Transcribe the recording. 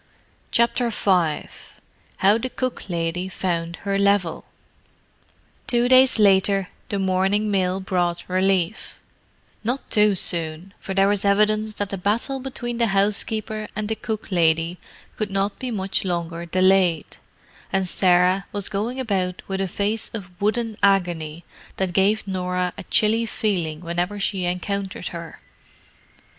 CHAPTER V HOW THE COOK LADY FOUND HER LEVEL Two days later, the morning mail brought relief—not too soon, for there was evidence that the battle between the housekeeper and the cook lady could not be much longer delayed, and Sarah was going about with a face of wooden agony that gave Norah a chilly feeling whenever she encountered her.